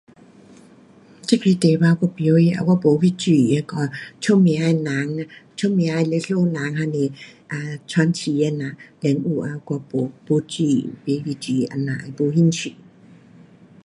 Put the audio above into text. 这个题目我甭晓啊，我没去注意那个出名的人，出名的历史人还是 um 传奇的人，人物。我没，没注意，没去注意这样的，没兴趣。